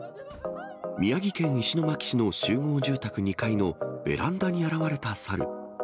宮城県石巻市の集合住宅２階のベランダに現れたサル。